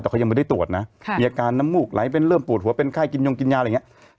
แต่เขายังไม่ได้ตรวจนะมีอาการน้ำมูกไหลเป็นเริ่มปวดหัวเป็นไข้กินยงกินยาอะไรอย่างนี้